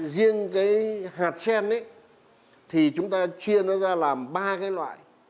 riêng cái hạt sen thì chúng ta chia nó ra làm ba loại